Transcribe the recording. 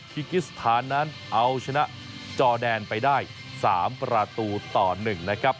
กิกิสถานนั้นเอาชนะจอแดนไปได้๓ประตูต่อ๑นะครับ